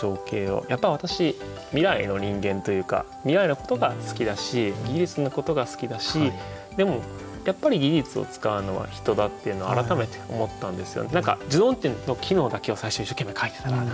やっぱ私未来の人間というか未来のことが好きだし技術のことが好きだしでもやっぱり技術を使うのは人だっていうのは改めて思ったんですよ。